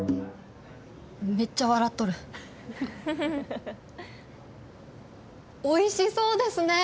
めっちゃ笑っとる美味しそうですね。